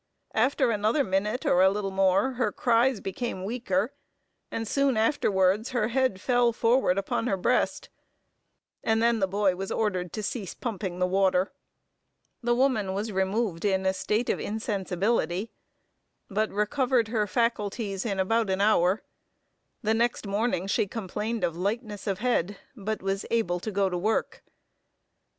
After another minute or a little more, her cries became weaker, and soon afterwards her head fell forward upon her breast; and then the boy was ordered to cease pumping the water. The woman was removed in a state of insensibility; but recovered her faculties in about an hour. The next morning she complained of lightness of head, but was able to go to work.